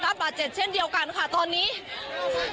พระบุว่าจะมารับคนให้เดินทางเข้าไปในวัดพระธรรมกาลนะคะ